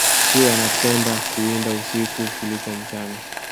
chui anapenda kuwinda usiku kuliko mchana